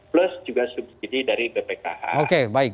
plus juga subsidi dari bpkh